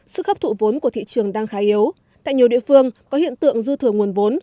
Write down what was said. sức hấp thụ vốn của thị trường đang khá yếu tại nhiều địa phương có hiện tượng dư thừa nguồn vốn